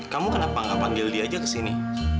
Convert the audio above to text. kamu kenapa gak panggil dia aja ke sini